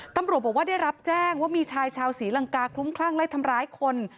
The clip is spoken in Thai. ตำรวจบอกว่าได้รับแจ้งว่ามีชายชาวศรีลังกาคลุ้มคลั่งไล่ทำร้ายคน